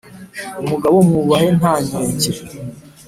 umugabo mwubahe ntankeke